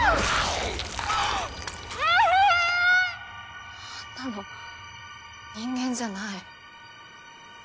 噛む音あんなの人間じゃない。